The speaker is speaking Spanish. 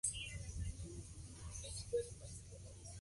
La flora marina del lugar está constituida por algunos tipo de algas.